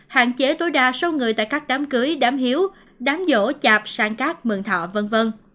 hạn chế tối đa số người tại các đám cưới đám hiếu đám vỗ chạp sang cát mường thọ v v